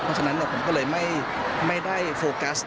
เพราะฉะนั้นผมก็เลยไม่ได้โฟกัส